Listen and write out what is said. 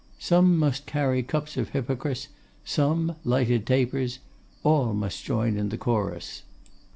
Some must carry cups of Hippocras, some lighted tapers; all must join in chorus.